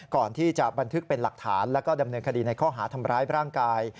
ก่อนที่จะบันทึกเป็นหลักฐานแล้วก็ดำเนินคดีในข้อหาทำร้ายร่างกาย